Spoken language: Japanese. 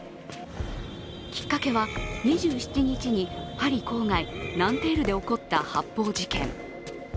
きっかけは２７日にパリ郊外ナンテールで起こった発砲事件。